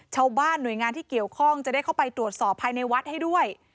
ชาวบ้านหน่วยงานที่เกี่ยวข้องจะได้เข้าไปตรวจสอบภายในวัดให้ด้วย